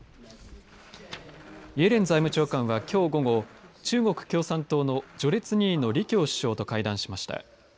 イエレン財務長官は、きょう午後中国共産党の序列２位の李強首相と会談しました。